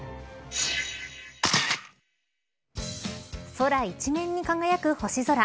空一面に輝く星空。